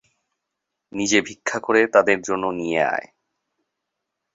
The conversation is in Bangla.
নিজে ভিক্ষা করে তাদের জন্য নিয়ে আয়।